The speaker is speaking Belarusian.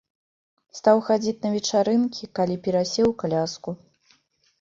Стаў хадзіць на вечарынкі, калі перасеў у каляску.